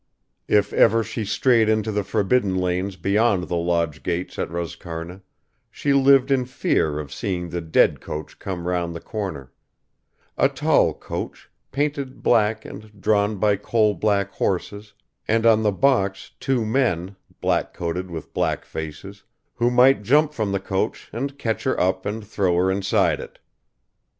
If ever she strayed into the forbidden lanes beyond the lodge gates at Roscarna she lived in fear of seeing the dead coach come round the corner: a tall coach, painted black and drawn by coal black horses and on the box two men, black coated with black faces, who might jump from the coach and catch her up and throw her inside it.